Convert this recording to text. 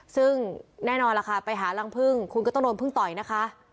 ซึ่งแน่นอนล่ะค่ะไปหารังพึ่งคุณก็ต้องโดนพึ่งต่อยนะคะ